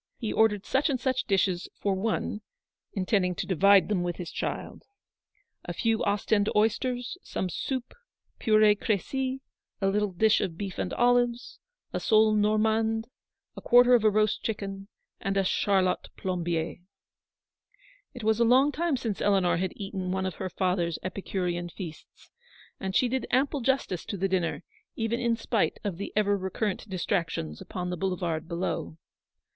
He ordered such and such dishes " for one," intending to divide them with his child. A few Ostend oysters, some soup, — puree crecy — a little dish of beef and olives, a sole normande, a quarter of a roast chicken, and a Charlotte Plombieres. It was a long time since Eleanor had eaten one of her father's epicurean feasts, and she did ample justice to the dinner, even in spite of the ever recurrent distractions upon the boulevard below.